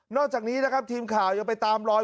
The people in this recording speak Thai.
อกจากนี้นะครับทีมข่าวยังไปตามรอย